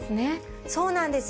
そうなんです